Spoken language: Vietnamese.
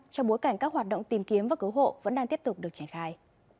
trong bối cảnh các hoạt động tìm kiếm và cứu hộ vẫn đang tiếp tục được trải khai